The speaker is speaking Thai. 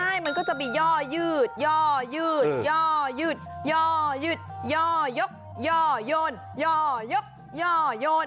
ใช่มันก็จะมีย่อยืดย่อยืดย่อยืดย่อยืดย่อยกย่อยนย่อยกย่อโยน